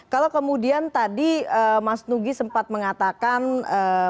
kalau kemudian tadi mas nugi sempat mengatakan masalah politik